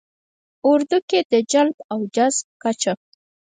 ه اردو کې د جلب او جذب کچه